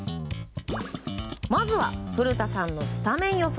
まずは古田さんのスタメン予想。